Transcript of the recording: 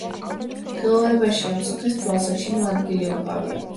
ხელოვნებაში ამ სახეს თვალსაჩინო ადგილი უკავია.